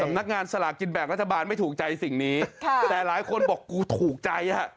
นักงานสลากินแบ่งรัฐบาลไม่ถูกใจสิ่งนี้ค่ะแต่หลายคนบอกกูถูกใจฮะ